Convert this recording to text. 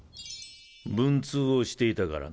文通をしていたからな。